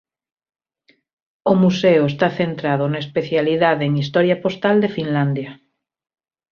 O museo está centrado na especializado en historia postal de Finlandia.